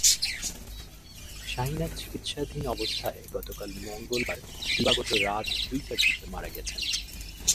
শাহিনা চিকিৎসাধীন অবস্থায় গতকাল মঙ্গলবার দিবাগত রাত দুইটার দিকে মারা গেছেন।